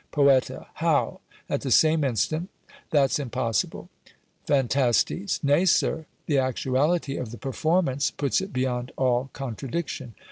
Poeta. How? at the same instant, that's impossible! Phan. Nay, sir, the actuality of the performance puts it beyond all contradiction.